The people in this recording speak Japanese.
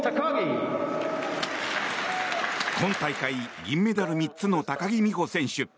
今大会銀メダル３つの高木美帆選手。